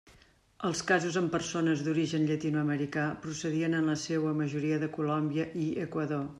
Els casos en persones d'origen llatinoamericà procedien en la seua majoria de Colòmbia i Equador.